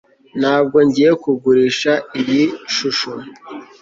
ntabwo ngiye kugurisha iyi shusho